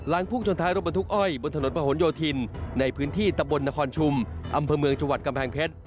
พุ่งชนท้ายรถบรรทุกอ้อยบนถนนประหลโยธินในพื้นที่ตะบลนครชุมอำเภอเมืองจังหวัดกำแพงเพชร